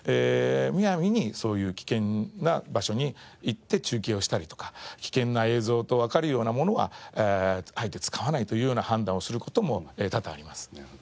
むやみにそういう危険な場所に行って中継をしたりとか危険な映像とわかるようなものはあえて使わないというような判断をする事も多々あります。